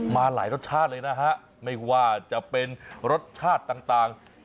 มาหลายรสชาติเลยนะฮะไม่ว่าจะเป็นรสชาติต่าง